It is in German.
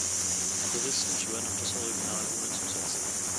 Puristen schwören auf das Original ohne Zusätze.